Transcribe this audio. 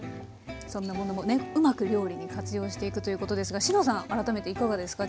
そんなものもねうまく料理に活用していくということですがＳＨＩＮＯさん改めていかがですか？